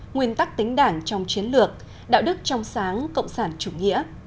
nguyên tắc tính đảng trong chiến lược đạo đức trong sáng cộng sản chủ nghĩa